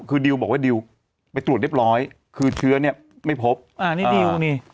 คือดิวบอกว่าดิวไปตรวจเรียบร้อยคือเชื้อเนี่ยไม่พบอ่านี่ดิวนี่